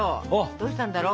どうしたんだろう？